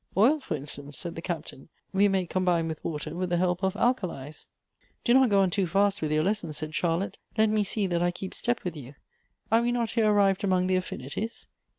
« Oil, for instance," said the Captain, " we make combine with water with the help of alkalies "" Do not go on too fast with your lesson," said Char lotte. " Let me see that I keep step with you. Are we not here arrived among the affinities